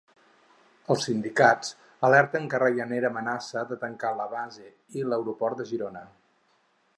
Els sindicats alerten que Ryanair amenaça de tancar la base i l'aeroport de Girona.